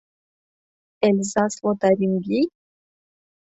— Эльзас-Лотарингий?